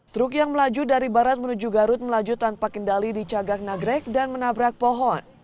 truk yang melaju dari barat menuju garut melaju tanpa kendali di cagak nagrek dan menabrak pohon